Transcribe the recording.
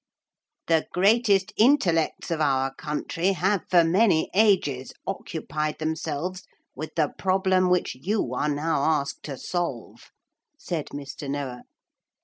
'The greatest intellects of our country have for many ages occupied themselves with the problem which you are now asked to solve,' said Mr. Noah.